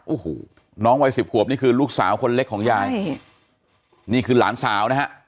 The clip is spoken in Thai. โอ้โหน้องวัยสิบขวบนี่คือลูกสาวคนเล็กของยายนี่คือหลานสาวนะฮะ